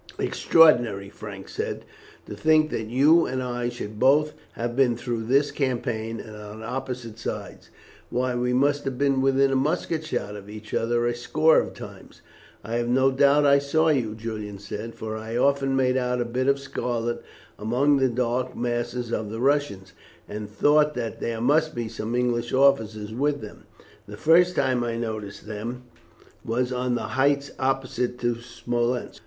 "Extraordinary!" Frank said, "to think that you and I should both have been through this campaign, and on opposite sides. Why, we must have been within musket shot of each other a score of times." "I have no doubt I saw you," Julian said; "for I often made out a bit of scarlet among the dark masses of the Russians, and thought that there must be some English officers with them. The first time I noticed them was on the heights opposite to Smolensk.